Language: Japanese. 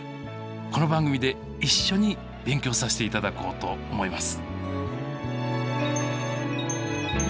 この番組で一緒に勉強させていただこうと思います。